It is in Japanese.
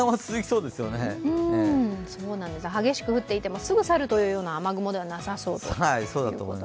そうなんです、激しく降っていてもすぐ去るような雨雲ではなさそうです。